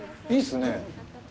いいですね。